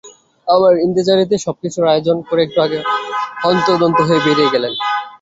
আমার ইন্তেজারিতে সবকিছুর আয়োজন করে একটু আগে হন্তদন্ত হয়ে বেরিয়ে গেলেন।